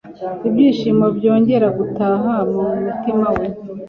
ibyishimo byongera gutaha mu mutima we